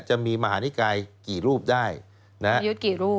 จะมีมหานิกายกี่รูปได้นะฮะยุทธกี่รูป